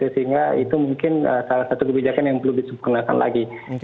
sehingga itu mungkin salah satu kebijakan yang perlu disempurnakan lagi